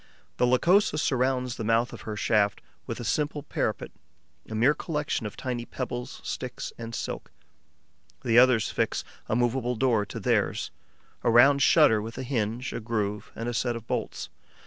The Lycosa surrounds the mouth of her shaft with a simple parapet, a mere collection of tiny pebbles, sticks and silk; the others fix a movable door to theirs, a round shutter with a hinge, a groove and a set of bolts.